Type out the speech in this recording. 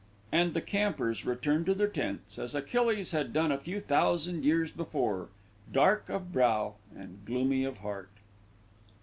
And the campers returned to their tents as Achilles had done a few thousand years before, dark of brow and gloomy of heart.